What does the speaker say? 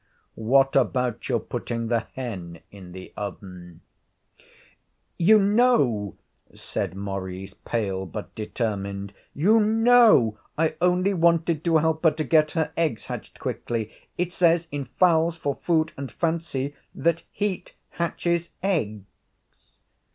What about your putting the hen in the oven?' 'You know,' said Maurice, pale but determined, 'you know I only wanted to help her to get her eggs hatched quickly. It says in "Fowls for Food and Fancy" that heat hatches eggs.'